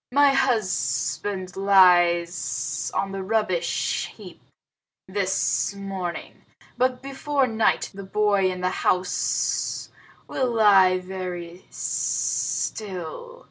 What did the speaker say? My husband lies on the rubbish heap this morning, but before night the boy in the house will lie very still.